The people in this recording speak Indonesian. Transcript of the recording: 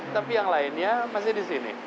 tapi yang lainnya masih di sini